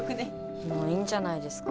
もういいんじゃないですか？